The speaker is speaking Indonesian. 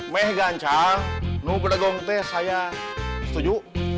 neng gancang nung bedegong itu saya setuju